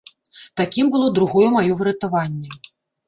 Такім было другое маё выратаванне.